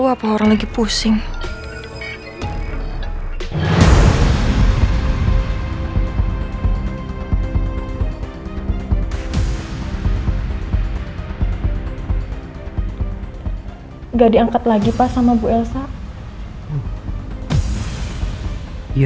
udah pertolongan di ioette asthma saya